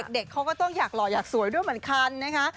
เด็กเขาก็ต้องอยากหล่ออยากสวยด้วยเหมือนกันนะคะ